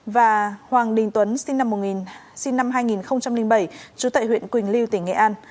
và hoàng đình tuấn sinh năm hai nghìn bảy chú tậy huyện quỳnh lưu tỉnh nghệ an